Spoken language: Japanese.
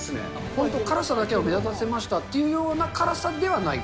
本当、辛さだけを際立たせましたっていう辛さではない。